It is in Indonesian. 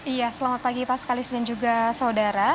iya selamat pagi pak sekaligus dan juga saudara